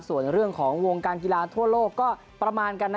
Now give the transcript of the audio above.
ส่วนเรื่องของวงการกีฬาทั่วโลกก็ประมาณกัน